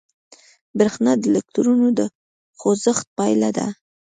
برېښنا د الکترون د خوځښت پایله ده.